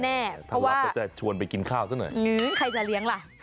เพราะว่าถ้ารับเขาจะชวนไปกินข้าวซะหน่อยอืมใครจะเลี้ยงล่ะ